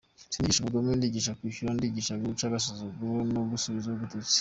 Sinigisha ubugome ndigisha kwishyura, ndigisha guca agasuzuguro no gusubiza ugututse.